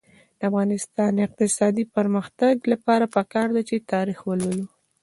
د افغانستان د اقتصادي پرمختګ لپاره پکار ده چې تاریخ ولولو.